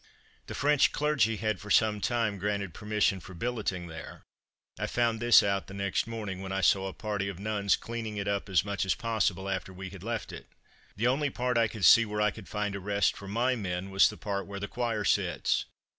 The French clergy had for some time granted permission for billeting there; I found this out the next morning, when I saw a party of nuns cleaning it up as much as possible after we had left it. The only part I could see where I could find a rest for my men was the part where the choir sits.